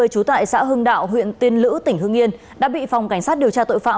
trú tại xã hưng đạo huyện tiên lữ tỉnh hương yên đã bị phòng cảnh sát điều tra tội phạm